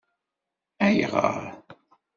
AyƔeṛ?